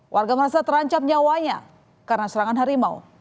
warga merasa terancam nyawanya karena serangan harimau